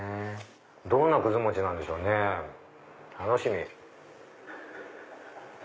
どんなもちなんでしょうね楽しみ！